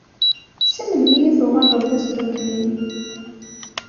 Si melmi i tuɣaleḍ d azdukli?